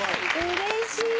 うれしい！